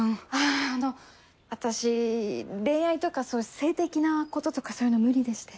あの私恋愛とかそういう性的なこととかそういうの無理でして。